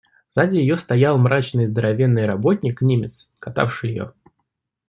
Сзади её стоял мрачный здоровенный работник Немец, катавший её.